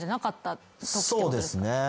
そうですね。